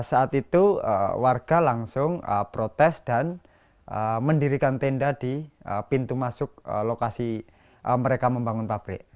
saat itu warga langsung protes dan mendirikan tenda di pintu masuk lokasi mereka membangun pabrik